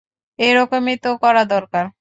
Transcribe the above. এরকমই তো করা দরকার!